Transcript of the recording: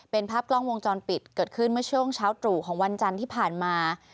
เป็นภาพกล้องวงจรปิดเกิดขึ้นเมื่อช่วงเช้าตรู่ของวันจันทร์ที่ผ่านมา